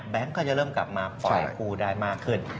แบงค์ก็จะเริ่มกลับมาปล่อยภูมิได้มากขึ้น